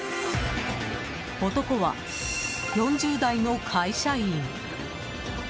男は４０代の会社員。